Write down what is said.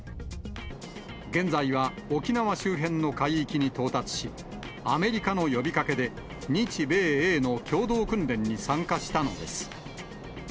現在は沖縄周辺の海域に到達し、アメリカの呼びかけで、日米英の共同訓練に参加したのです。